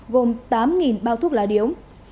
gồm tám bao thuốc lá điếu